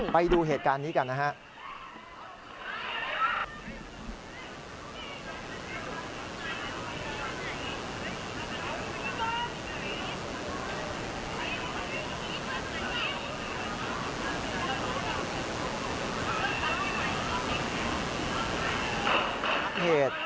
ไปดูเหตุการณ์นี้กันนะครับ